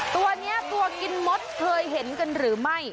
ตัวนี้ตัวกินมดเคยเห็นกันหรือไม่